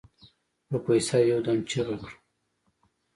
پروفيسر يودم چيغه کړه.